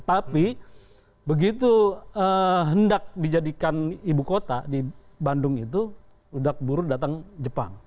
tapi begitu hendak dijadikan ibu kota di bandung itu udah buru datang jepang